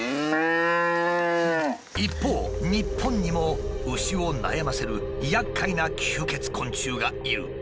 一方日本にも牛を悩ませるやっかいな吸血昆虫がいる。